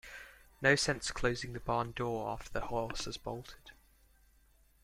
No sense closing the barn door after the horse has bolted.